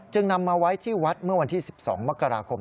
นำมาไว้ที่วัดเมื่อวันที่๑๒มกราคม